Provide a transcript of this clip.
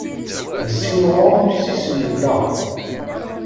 Nessimɣur ussisen-nneɣ.